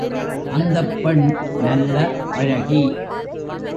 அந்தப் பெண் நல்ல அழகி.